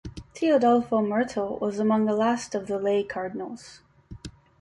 Teodolfo Mertel was among the last of the lay cardinals.